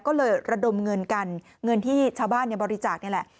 ก็เลยระดมเงินกันเงินที่ชาวบ้านบริจาคนี่แหละ